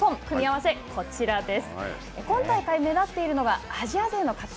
組み合わせ、こちらです。